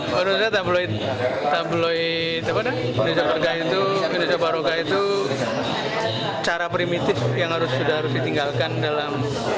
menurut saya tabloid tabloi indonesia barokah itu cara primitif yang harus ditinggalkan dalam